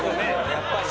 やっぱりね。